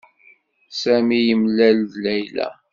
Sami yemlal-d Layla.